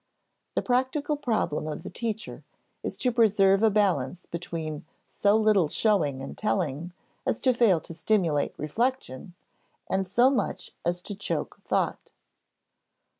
The practical problem of the teacher is to preserve a balance between so little showing and telling as to fail to stimulate reflection and so much as to choke thought.